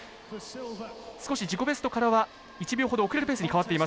少し自己ベストからは１秒ほど遅れるペースに変わっています。